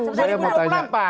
saya mau tanya dulu